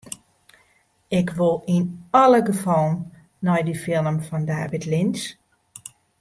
Ik wol yn alle gefallen nei dy film fan David Lynch.